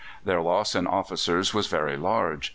Their loss in officers was very large.